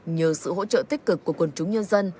nhờ sự hỗ trợ tích cực của quần chúng nhân dân